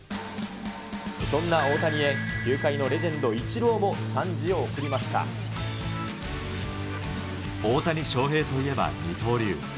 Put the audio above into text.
そんな大谷へ、球界のレジェンド、大谷翔平といえば二刀流。